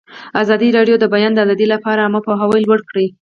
ازادي راډیو د د بیان آزادي لپاره عامه پوهاوي لوړ کړی.